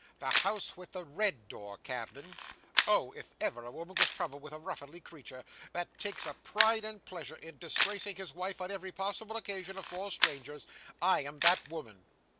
'The house with the red door, cabmin. Oh! If ever a woman was troubled with a ruffinly creetur, that takes a pride and a pleasure in disgracing his wife on every possible occasion afore strangers, I am that woman!